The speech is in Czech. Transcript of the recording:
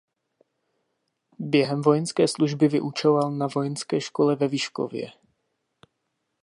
Během vojenské služby vyučoval na Vojenské škole ve Vyškově.